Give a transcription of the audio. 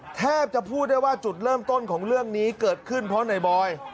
แทบจะพูดได้ว่าจุดเริ่มต้นของเรื่องนี้เกิดขึ้นเพราะในบอย